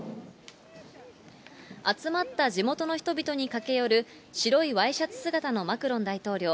集まった地元の人々に駆け寄る白いワイシャツ姿のマクロン大統領。